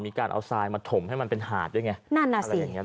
มีการเอาทรายมาถ่มให้มันเป็นหาดด้วยไง